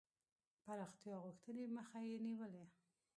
پراختیا غوښتني مخه یې نیوله.